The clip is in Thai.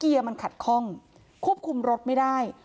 เกียร์มันขัดคล่องควบคุมรถไม่ได้